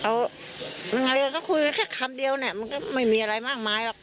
เขายังไงก็คุยกันแค่คำเดียวเนี่ยมันก็ไม่มีอะไรมากมายหรอก